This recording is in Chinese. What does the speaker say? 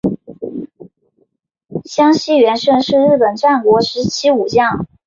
香西元盛是日本战国时代武将。